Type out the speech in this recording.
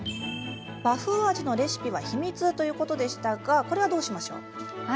和風味のレシピは秘密ということでしたがこれはどうしましょう？